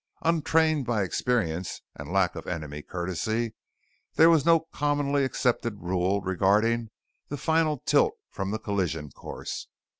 Untrained by experience and lack of enemy courtesy, there was no commonly accepted rule regarding the final tilt from the collision course.